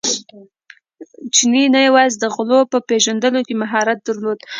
چیني نه یوازې د غلو په پېژندلو کې مهارت درلود.